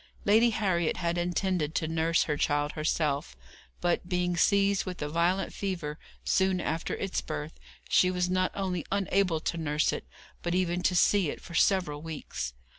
Lady Harriet had intended to nurse her child herself, but being seized with a violent fever soon after its birth, she was not only unable to nurse it but even to see it, for several weeks.